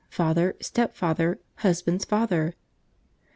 Father. Step Father. Husband's Father..